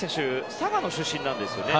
佐賀の出身なんですね。